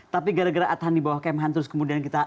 tapi gara gara adhan di bawah kemhan terus kemudian kita